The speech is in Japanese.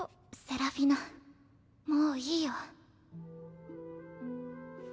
セラフィナもういいよ。